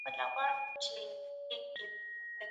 ملګرتيا ژوند ښکلی کوي.